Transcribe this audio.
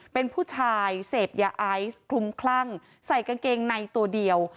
เป็นผู้ชายเสพยาไอซ์คลุมคลั่งใส่กางเกงในตัวเดียว